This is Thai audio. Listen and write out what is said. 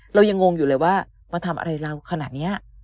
เรายังงงอยู่เลยว่ามาทำอะไรเราขนาดนี้